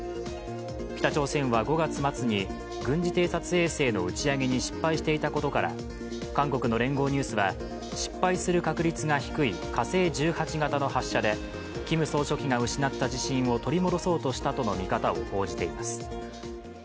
北朝鮮は５月末に、軍事偵察衛星の打ち上げに失敗していたことから韓国の聯合ニュースは、失敗する確率が低い火星１８型の発射でキム総書記が失った自信を取り戻そうとしたとの見方を報じています。